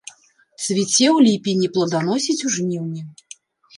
Цвіце ў ліпені, пладаносіць у жніўні.